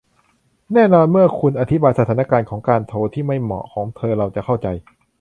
แน่นอนเมื่อคุณอธิบายสถานการณ์ของการโทรที่ไม่เหมาะของเราเธอจะเข้าใจ